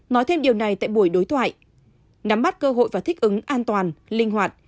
nói thêm điều này tại buổi đối thoại nắm bắt cơ hội và thích ứng an toàn linh hoạt